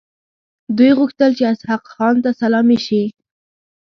دوی غوښتل چې اسحق خان ته سلامي شي.